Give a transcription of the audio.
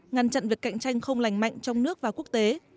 ngăn chặn việc cạnh tranh không lành mạnh trong nước và quốc tế